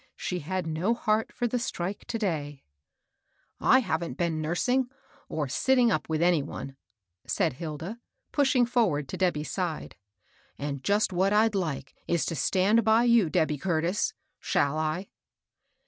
She had no heart for the " strike," to day. " I haven't been nursing, or sitting up with any one," said Hilda, pushing forward to Debby's side ;" and just what I'd like is to stand by you Debby Curtis. Shall I?"